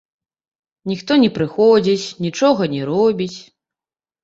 Ніхто не прыходзіць, нічога не робіць.